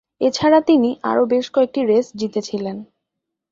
এছাড়া তিনি আরও বেশ কয়েকটি রেস জিতেছিলেন।